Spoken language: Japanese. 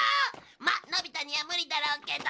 まあのび太には無理だろうけど。